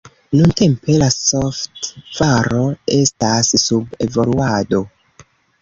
Nuntempe la softvaro estas sub evoluado.